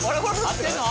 合ってんの？